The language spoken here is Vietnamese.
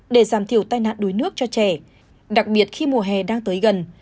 để giảm thiểu tai nạn đuối nước cho trẻ đặc biệt khi mùa hè đang tới gần